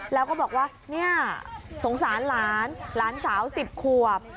แล้วก็บอกว่าเนี่ยสงสารหลานหลานสาว๑๐ขวบ